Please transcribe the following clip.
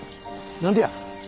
何でや？